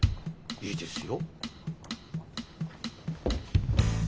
いいですよ。